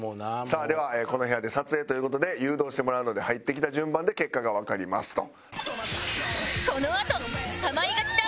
さあではこの部屋で撮影という事で誘導してもらうので入ってきた順番で結果がわかりますと。